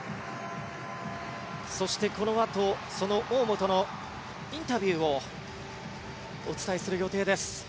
そして、このあとその大本のインタビューをお伝えする予定です。